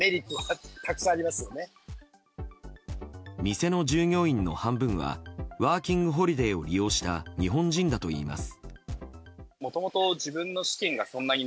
店の従業員の半分はワーキングホリデーを利用した日本人だといいます。